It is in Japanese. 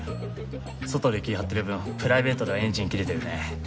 外で気ぃ張ってる分プライベートではエンジン切れてるね。